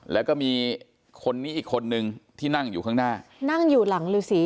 แล้วก็มีคนนี้อีกคนนึงที่นั่งอยู่ข้างหน้านั่งอยู่หลังฤษี